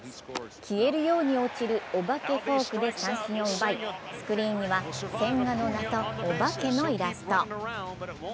消えるように落ちるお化けフォークで三振を奪い、スクリーンには千賀の名とお化けのイラスト。